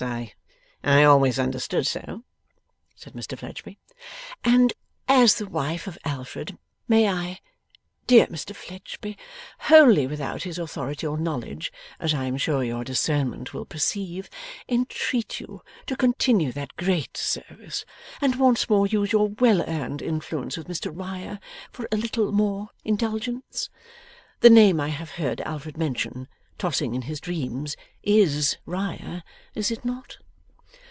I I always understood so,' said Mr Fledgeby. 'And as the wife of Alfred, may I, dear Mr Fledgeby, wholly without his authority or knowledge, as I am sure your discernment will perceive, entreat you to continue that great service, and once more use your well earned influence with Mr Riah for a little more indulgence? The name I have heard Alfred mention, tossing in his dreams, IS Riah; is it not?